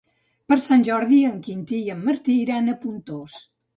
Per Sant Jordi en Quintí i en Martí iran a Pontós.